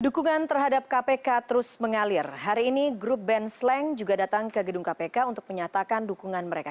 dukungan terhadap kpk terus mengalir hari ini grup band sleng juga datang ke gedung kpk untuk menyatakan dukungan mereka